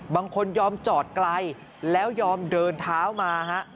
ยอมจอดไกลแล้วยอมเดินเท้ามาฮะ